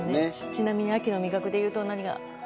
ちなみに秋の味覚でいうと何が？